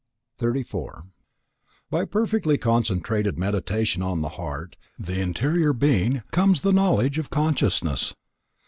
34 By perfectly concentrated Meditation on the heart, the interior being, comes the knowledge of consciousness.